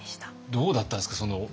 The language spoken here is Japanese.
どうだったんですか？